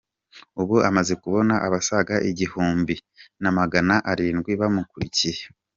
Ubu amaze kubona abasaga igihumbi na magana arindwi bamukurikiye.